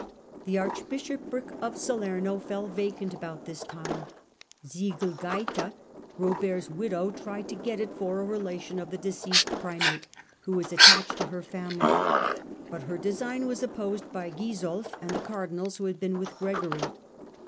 The archbishopric of Salerno fell vacant about this time: Sigelgaita, Robert's widow, tried to get it for a relation of the deceased primate, who was attached to her family, but her design was opposed by Gisulf and the cardinals who had been with Gregory.